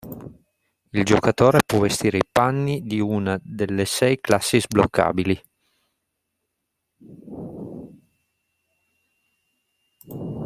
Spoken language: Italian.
Il giocatore può vestire i panni di una delle sei classi sbloccabili.